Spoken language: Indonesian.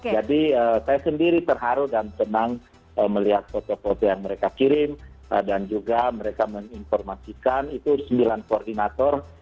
jadi saya sendiri terharu dan senang melihat foto foto yang mereka kirim dan juga mereka menginformasikan itu sembilan koordinator